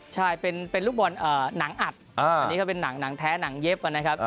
ใช่เป็นลูกบอลหนังอัดอันนี้ก็เป็นหนังแท้หนังเย็บนะครับ